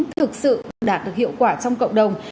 thực sự đạt được hiệu quả trong cộng đồng